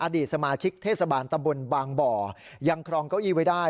อดีตสมาชิกเทศบาลตำบลบางบ่อยังครองเก้าอี้ไว้ได้